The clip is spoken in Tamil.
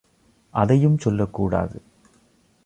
அதையும் சொல்லக் கூடாது.